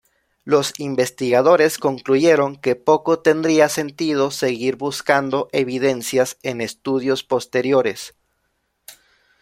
Los investigadores concluyeron que poco tendría sentido seguir buscando evidencias en estudios posteriores.